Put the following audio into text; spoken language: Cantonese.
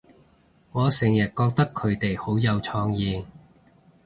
我成日覺得佢哋好有創意